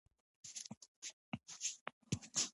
شپېته کاله پخوا د شیخ کور وو.